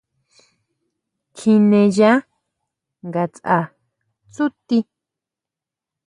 Kjineya ngatsʼa tsúti.